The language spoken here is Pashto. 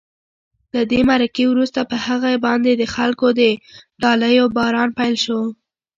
له دې مرکې وروسته په هغې باندې د خلکو د ډالیو باران پیل شو.